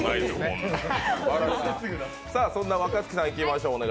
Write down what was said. そんな若槻さん、いきましょう。